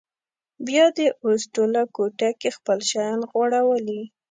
بیا دې اوس ټوله کوټه کې خپل شیان غوړولي.